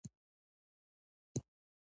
څلورمه برخه